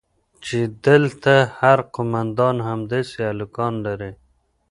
چې دلته هر قومندان همداسې هلکان لري.